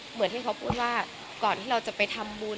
เหมือนที่เขาพูดว่าก่อนที่เราจะไปทำบุญ